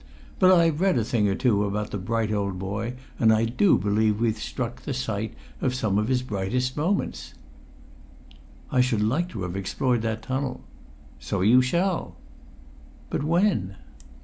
But I've read a thing or two about the bright old boy, and I do believe we've struck the site of some of his brightest moments!" "I should like to have explored that tunnel." "So you shall." "But when?"